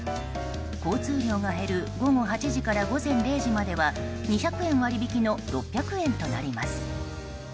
交通量が減る午後８時から午前０時までは２００円割引の６００円となります。